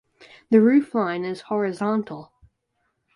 The roofline is horizontal.